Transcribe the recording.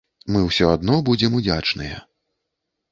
Мы ўсё адно будзем удзячныя.